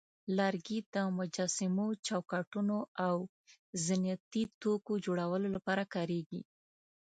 لرګي د مجسمو، چوکاټونو، او زینتي توکو جوړولو لپاره کارېږي.